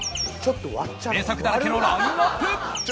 名作だらけのラインアップ